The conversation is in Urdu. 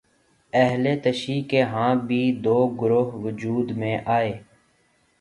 اہل تشیع کے ہاں بھی دو گروہ وجود میں آئے